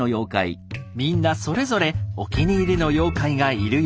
みんなそれぞれお気に入りの妖怪がいる様子。